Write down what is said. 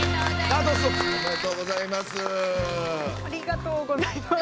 ありがとうございます。